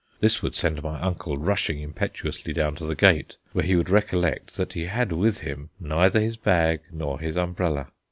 This would send my uncle rushing impetuously down to the gate, where he would recollect that he had with him neither his bag nor his umbrella.